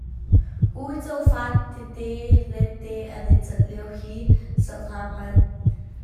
Uicofa tete lente an i calh lio hi zoh hna hmanh!